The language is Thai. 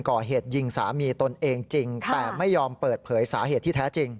ก่อเหตุยิงสามีตนเองจริงแต่ไม่ยอมเปิดเผยสาเหตุที่แท้จริง